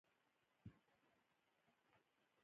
پکتیکا د افغانستان د اجتماعي جوړښت برخه ده.